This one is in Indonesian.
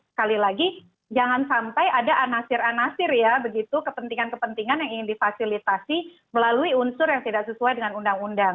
sekali lagi jangan sampai ada anasir anasir ya begitu kepentingan kepentingan yang ingin difasilitasi melalui unsur yang tidak sesuai dengan undang undang